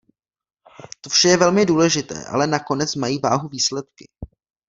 To vše je velmi důležité, ale nakonec mají váhu výsledky.